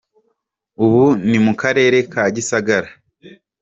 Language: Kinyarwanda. Ubu ni mu karere ka Gisagara.